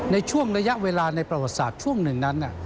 ในช่วงระยะเวลาในประวัติศาสตร์ช่วงหนึ่งนั้น